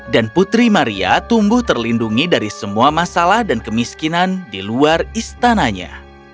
dan putri maria tumbuh terlindungi dari semua masalah dan kemiskinan di luar istananya